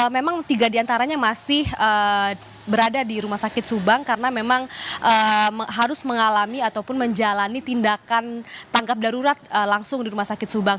memang tiga diantaranya masih berada di rumah sakit subang karena memang harus mengalami ataupun menjalani tindakan tangkap darurat langsung di rumah sakit subang